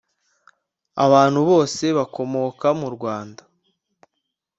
Abantu bose bakomoka mu Rwanda